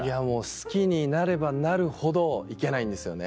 好きになればなるほど行けないんですよね。